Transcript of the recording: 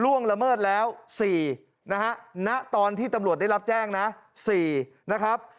ละเมิดแล้ว๔นะฮะณตอนที่ตำรวจได้รับแจ้งนะ๔นะครับ